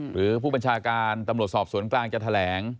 หรือผู้บัญชาการตำรวจสอบสวนกลางจะแถลง